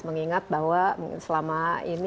mengingat bahwa selama ini